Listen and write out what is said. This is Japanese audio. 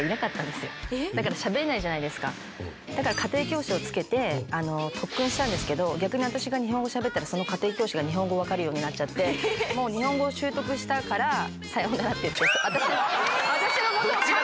だから家庭教師をつけて特訓したんですけど逆に私が日本語をしゃべったらその家庭教師が日本語を分かるようになっちゃって。って言って私の元を去っていった。